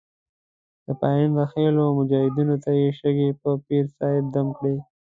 د پاینده خېلو مجاهدینو ته یې شګې په پیر صاحب دم کړې.